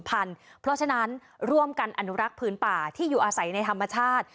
เพราะฉะนั้นร่วมกันอนุรักษ์พื้นป่าที่อยู่อาศัยในธรรมชาติ